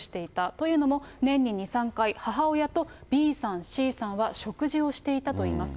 というのも、年に２、３回、母親とＢさん、Ｃさんは、食事をしていたといいます。